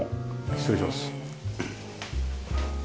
失礼します。